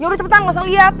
yaudah cepetan gausah liat